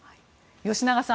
吉永さん